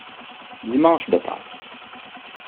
Dimanche de Pâques.